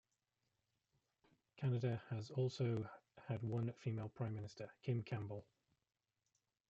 Canada has also had one female prime minister, Kim Campbell.